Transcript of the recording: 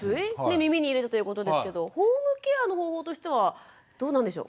耳に入れたということですけどホームケアの方法としてはどうなんでしょう？